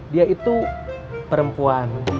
dia itu perempuan